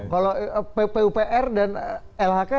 kalau pupr dan lhk